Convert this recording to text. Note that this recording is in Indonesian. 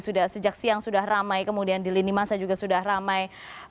sudah sejak siang sudah ramai kemudian di lini masa juga sudah ramai